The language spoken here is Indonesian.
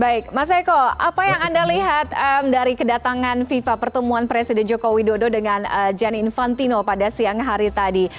baik mas eko apa yang anda lihat dari kedatangan fifa pertemuan presiden joko widodo dengan janny infantino pada siang hari tadi